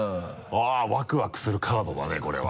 あぁワクワクするカードだねこれは。